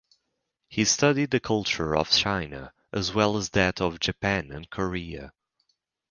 He studied the culture of China as well as that of Japan and Korea.